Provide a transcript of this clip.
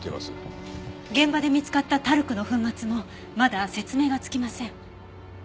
現場で見つかったタルクの粉末もまだ説明がつきません。